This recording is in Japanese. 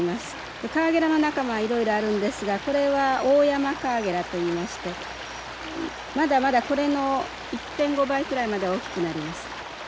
カワゲラの仲間はいろいろあるんですがこれはオオヤマカワゲラといいましてまだまだこれの１．５倍くらいまで大きくなります。